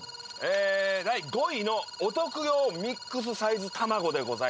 第５位のお徳用ミックスサイズたまごでございます。